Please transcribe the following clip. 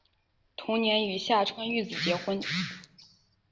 同年与下川玉子结婚。